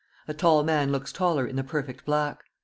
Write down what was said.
A tall man looks taller in the perfect black.